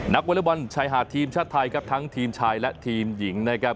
วอเล็กบอลชายหาดทีมชาติไทยครับทั้งทีมชายและทีมหญิงนะครับ